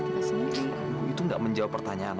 kita sendiri itu gak menjawab pertanyaan